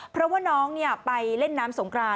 เพราะว่าน้องไปเล่นน้ำสงกราน